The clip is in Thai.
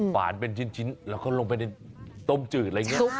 หวานเป็นชิ้นแล้วก็ลงไปในต้มจืดอะไรอย่างนี้